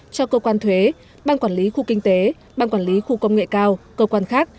cho cơ quan thuế bang quản lý khu kinh tế ban quản lý khu công nghệ cao cơ quan khác